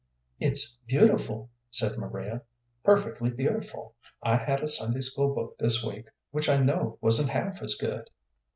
"It's beautiful," said Maria "perfectly beautiful. I had a Sunday school book this week which I know wasn't half as good."